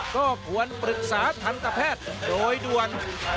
ก็ควรปรึกษาทันตแพทย์โดยด่วน